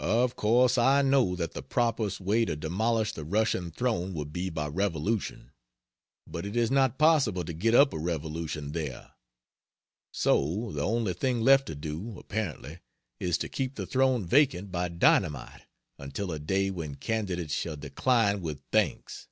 Of course I know that the properest way to demolish the Russian throne would be by revolution. But it is not possible to get up a revolution there; so the only thing left to do, apparently, is to keep the throne vacant by dynamite until a day when candidates shall decline with thanks.